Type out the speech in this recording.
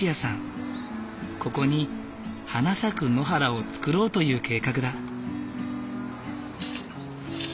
ここに花咲く野原を作ろうという計画だ。